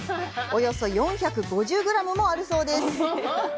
およそ４５０グラムもあるそうです。